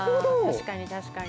確かに確かに。